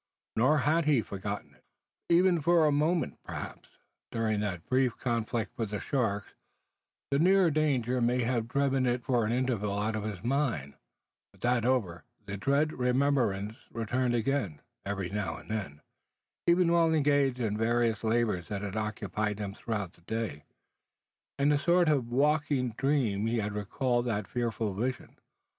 Nor had he forgotten it, even for a moment. Perhaps, during that brief conflict with the sharks, the nearer danger may have driven it for an interval out of his mind; but that over, the dread remembrance returned again; and every now and then, even while engaged in the varied labours that had occupied them throughout the day, in a sort of waking dream he had recalled that fearful vision.